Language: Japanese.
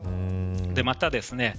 またですね